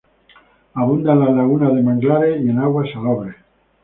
Abunda en las lagunas de manglares y en aguas salobres.